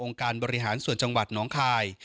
การบริหารส่วนจังหวัดน้องคาย